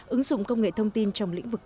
ứng dụng công nghệ thông tin trong lĩnh vực